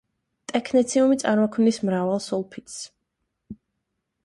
ტექნეციუმი წარმოქმნის მრავალ სულფიდს.